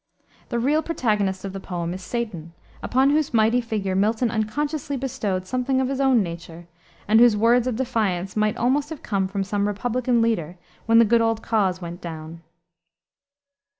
The real protagonist of the poem is Satan, upon whose mighty figure Milton unconsciously bestowed something of his own nature, and whose words of defiance might almost have come from some Republican leader when the Good Old Cause went down.